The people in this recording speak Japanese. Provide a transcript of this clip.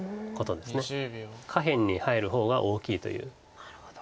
下辺に入る方が大きいという。